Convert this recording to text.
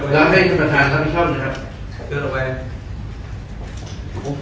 ล้อเค้งท่านผู้ชอบไหนครับ